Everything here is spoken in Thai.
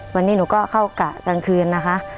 วันนี้หนูก็เข้ากะกลางคืนนะคะ